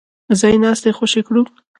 ځای ناستي خوشي کړو.